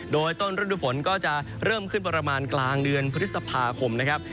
โดยต้นฤดูฝนก็จะเริ่มขึ้นประมาณกลางเดือนพฤษภาคมนะครับ